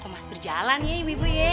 mas berjalan ya ibu ibu ye